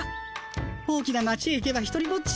大きな町へ行けばひとりぼっち。